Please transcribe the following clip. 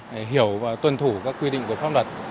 để hiểu và tuân thủ các quy định của pháp luật